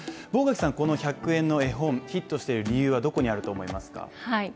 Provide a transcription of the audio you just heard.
坊垣さん、この１００円の絵本、ヒットしている理由はどこにあると思いますか？